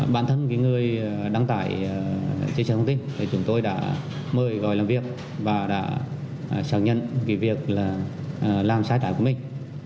bản thân người đăng tài chia sẻ thông tin chúng tôi đã mời gọi làm việc và đã xác nhận việc làm sai trái của mình